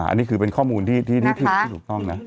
อันนี้คือเป็นข้อมูลที่ถูกต้องนะ